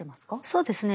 そうですね。